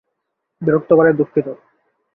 বিরক্ত করায় দুঃখিত।